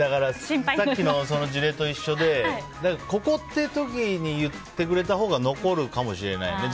さっきの事例と一緒でここっていう時に言ってくれたほうが残るかもしれないね。